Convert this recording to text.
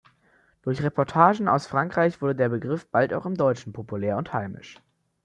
Durch Reportagen aus Frankreich wurde der Begriff bald auch im Deutschen populär und heimisch.